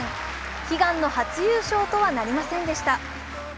悲願の初優勝とはなりませんでした。